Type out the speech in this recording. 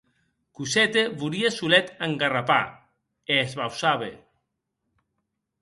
Cosette volie solet engarrapar, e esbauçaue.